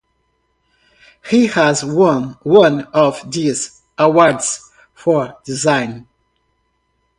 He has won one of these awards for design.